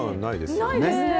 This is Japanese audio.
ないですね。